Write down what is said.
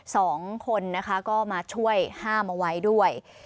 สองคนนะคะก็มาช่วยห้ามเอาไว้ด้วย